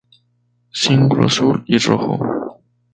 Cíngulo azul y rojo.